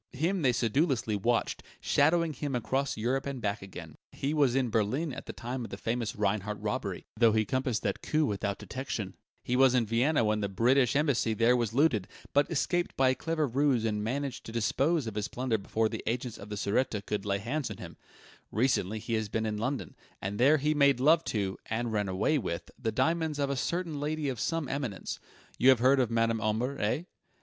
Him they sedulously watched, shadowing him across Europe and back again. He was in Berlin at the time of the famous Rheinart robbery, though he compassed that coup without detection; he was in Vienna when the British embassy there was looted, but escaped by a clever ruse and managed to dispose of his plunder before the agents of the Sûreté could lay hands on him; recently he has been in London, and there he made love to, and ran away with, the diamonds of a certain lady of some eminence. You have heard of Madame Omber, eh?"